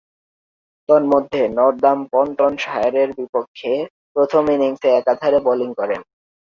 তন্মধ্যে, নর্দাম্পটনশায়ারের বিপক্ষে প্রথম ইনিংসে একাধারে বোলিং করেন।